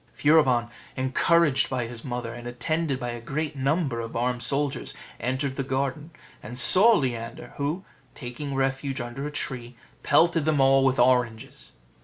Furibon, encouraged by his mother, and attended by a great number of armed soldiers, entered the garden, and saw Leander; who, taking refuge under a tree, pelted them all with oranges.